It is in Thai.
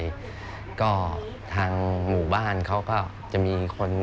แล้วก็ทางหมู่บ้านเขาก็จะมีคน